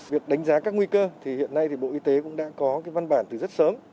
việc đánh giá các nguy cơ hiện nay bộ y tế cũng đã có văn bản từ rất sớm